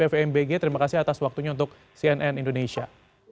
fmbg terima kasih atas waktunya untuk cnn indonesia